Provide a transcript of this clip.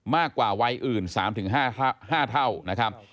มากกว่าวัยอื่น๓๕เท่า